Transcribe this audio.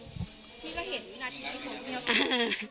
พี่ก็เห็นอย่างนี้